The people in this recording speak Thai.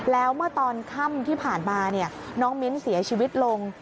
แล้วเมื่อตอนค่ำที่ผ่านมาน้องมิ้นเสียชีวิตลง